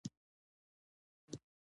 په ودونو کې ښځو ته سندرې وایي.